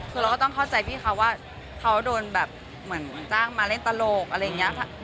คือเราก็ต้องเข้าใจพี่เขาว่าเขาโดนแบบเหมือนจ้างมาเล่นตลกอะไรอย่างนี้